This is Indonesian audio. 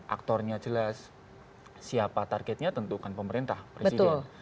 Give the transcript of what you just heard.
aktornya jelas siapa targetnya tentukan pemerintah presiden